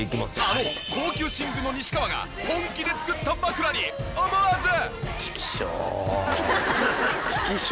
あの高級寝具の西川が本気で作った枕に思わず。